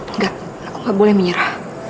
enggak aku nggak boleh menyerah